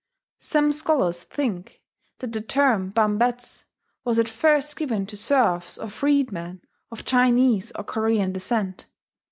Some scholars think that the term Bambetsu was at first given to serfs or freedmen of Chinese or Korean descent.